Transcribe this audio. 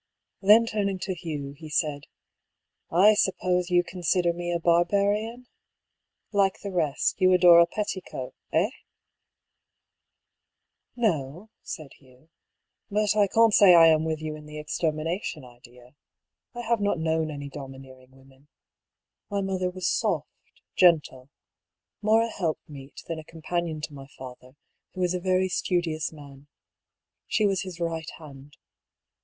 Then turning to Hugh, he said :" I suppose 16 BR. PAULL'S THEORY. you consider me a barbarian ? Like the rest, you adore a petticoat — eh ?"" No," said Hugh. " But I can't say I am with you in the extermination idea ; I have not known any domi neering women. My mother was soft, gentle — more a helpmeet than a companion to my father, who is a very studious man. She was his right hand.